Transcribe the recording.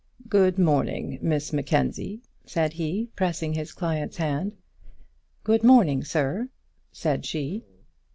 "Good morning, Miss Mackenzie," said he, pressing his client's hand. "Good morning, sir," said she.